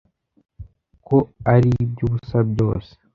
ko ari iby ubusa byose